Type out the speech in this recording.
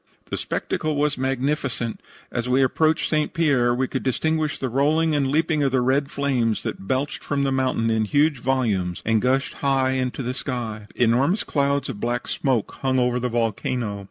"The spectacle was magnificent. As we approached St. Pierre we could distinguish the rolling and leaping of the red flames that belched from the mountain in huge volumes and gushed high in to the sky. Enormous clouds of black smoke hung over the volcano.